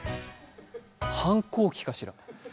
反抗期かしら。